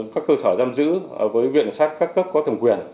các cơ sở giam giữ với viện sát các cấp có thẩm quyền